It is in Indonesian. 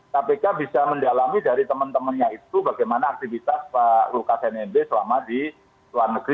kpk bisa mendalami dari teman temannya itu bagaimana aktivitas pak lukas nmb selama di luar negeri